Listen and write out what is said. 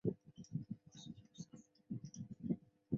粤语粗口看似有音无字。